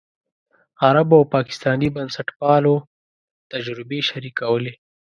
عربو او پاکستاني بنسټپالو تجربې شریکولې.